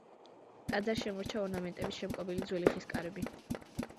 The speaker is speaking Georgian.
ტაძარს შემორჩა ორნამენტებით შემკობილი ძველი ხის კარები.